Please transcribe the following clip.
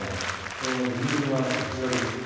その理由はこちらです。